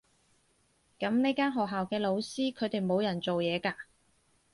噉呢間學校嘅老師，佢哋冇人做嘢㗎？